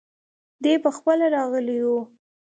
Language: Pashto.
دی پخپله راغلی وو.